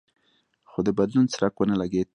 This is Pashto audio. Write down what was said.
خو د بدلون څرک ونه لګېد.